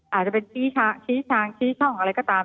อาจจะเป็นชี้ทางชี้ช่องอะไรก็ตาม